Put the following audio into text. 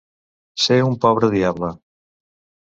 Ser un pobre diable.